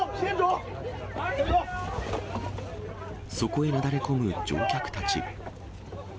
そこへなだれ込む乗客たち。